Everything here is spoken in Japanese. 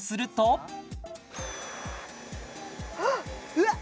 うわっ